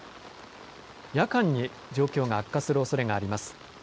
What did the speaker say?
夜間状況が悪化するおそれがあります。